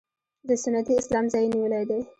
د سنتي اسلام ځای یې نیولی دی.